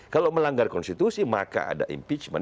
kalau melanggar konstitusi maka ada impeachment